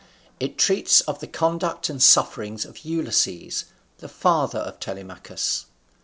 It treats of the conduct and sufferings of Ulysses, the father of Telemachus.